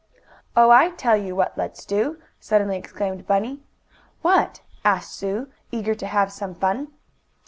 "Oh, I tell you what let's do!" suddenly exclaimed Bunny. "What?" asked Sue, eager to have some fun.